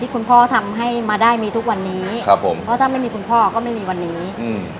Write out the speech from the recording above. คุณพ่อทำให้มาได้มีทุกวันนี้ครับผมเพราะถ้าไม่มีคุณพ่อก็ไม่มีวันนี้อืม